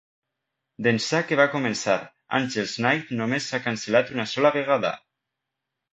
D'ençà que va començar, Angels' NIght només s'ha cancel·lat una sola vegada.